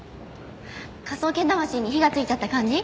科捜研魂に火がついちゃった感じ？